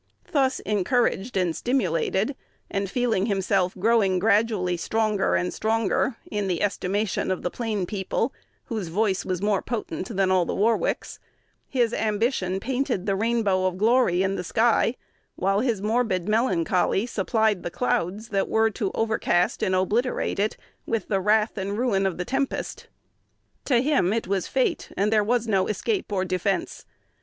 Thus encouraged and stimulated, and feeling himself growing gradually stronger and stronger, in the estimation of "the plain people," whose voice was more potent than all the Warwicks, his ambition painted the rainbow of glory in the sky, while his morbid melancholy supplied the clouds that were to overcast and obliterate it with the wrath and ruin of the tempest. To him it was fate, and there was no escape or defence.